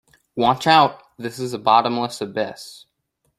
Watch out, this is a bottomless abyss!